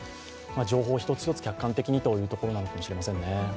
情報を１つ１つ客観的にというところなのかもしれませんね。